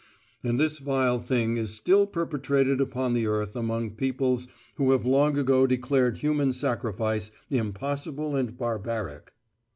And this vile thing is still perpetrated upon the earth among peoples who have long ago declared human sacrifice impossible and barbaric.